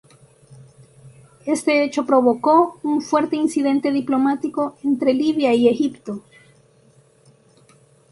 Este hecho provocó un fuerte incidente diplomático entre Libia y Egipto.